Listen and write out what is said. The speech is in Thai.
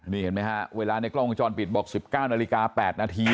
นี่เห็นไหมฮะเวลาในกล้องวงจรปิดบอก๑๙นาฬิกา๘นาที